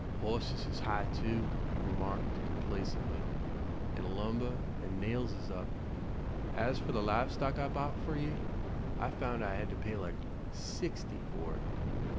"Hosses is high, too," he remarked, complacently, "an' lumber an' nails is up. As fer the live stock I bought fer ye, I found I had to pay like sixty for it."